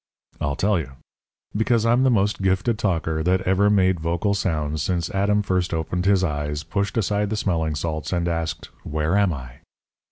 I'll tell you. Because I'm the most gifted talker that ever made vocal sounds since Adam first opened his eyes, pushed aside the smelling salts, and asked: 'Where am I?'